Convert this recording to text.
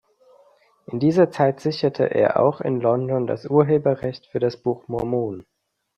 In dieser Zeit sicherte er auch in London das Urheberrecht für das Buch Mormon.